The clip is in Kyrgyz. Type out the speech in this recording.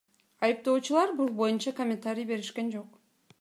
Айыптоочулар бул боюнча комментарий беришкен жок.